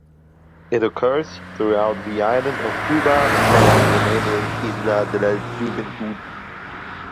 It occurs throughout the island of Cuba and the neighbouring Isla de la Juventud.